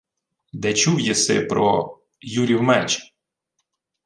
— Де чув єси про... Юрів меч?